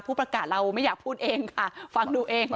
ผู้ประกาศเราไม่อยากพูดเองค่ะฟังดูเอง